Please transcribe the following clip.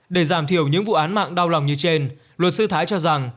để giảm thiểu những vụ án mạng đau lòng như trên luật sư thái cho rằng